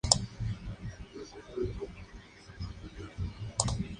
Abunda el tema erótico y refleja la realidad, de la que surgen los sentimientos.